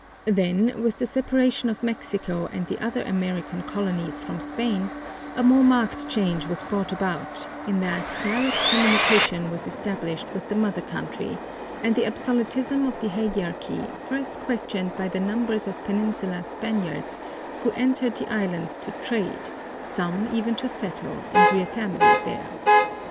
Then with the separation of Mexico and the other American colonies from Spain a more marked change was brought about in that direct communication was established with the mother country, and the absolutism of the hagiarchy first questioned by the numbers of Peninsular Spaniards who entered the islands to trade, some even to settle and rear families there.